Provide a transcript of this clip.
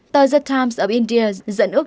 tờ the times of india dẫn ước